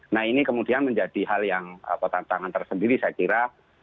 nah ini kemudian menjadi hal yang pertantangan tersendiri saya kira